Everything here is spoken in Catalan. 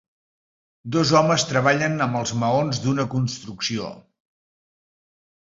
Dos homes treballen amb els maons d'una construcció.